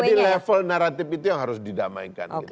jadi level naratif itu yang harus didamaikan